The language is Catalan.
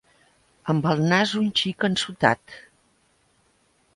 Amb el nas un xic ensotat.